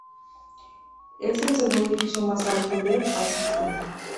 Es el segundo edificio más alto en Pakistán.